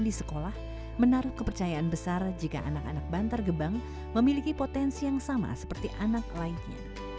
di sekolah menaruh kepercayaan besar jika anak anak bantar gebang memiliki potensi yang sama seperti anak lainnya